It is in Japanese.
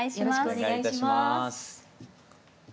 お願いいたします。